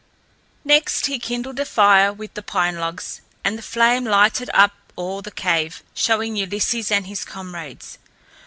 Next he kindled a fire with the pine logs, and the flame lighted up all the cave, showing Ulysses and his comrades.